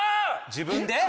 自分で？